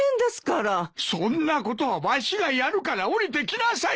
そんなことはわしがやるから下りてきなさい。